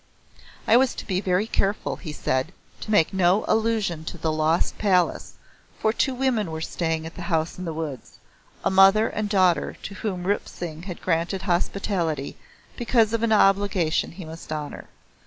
I was to be very careful, he said, to make no allusion to the lost palace, for two women were staying at the House in the Woods a mother and daughter to whom Rup Singh had granted hospitality because of an obligation he must honor.